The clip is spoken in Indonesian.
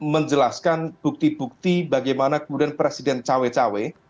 menjelaskan bukti bukti bagaimana kemudian presiden cawe cawe